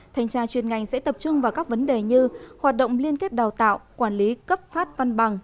thanh tra chuyên ngành sẽ tập trung vào các vấn đề như hoạt động liên kết đào tạo quản lý cấp phát văn bằng